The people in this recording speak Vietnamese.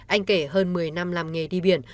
anh kể hơn một mươi năm làm nghề đi biển